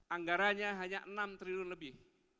anggarannya hanya enam triliun lebih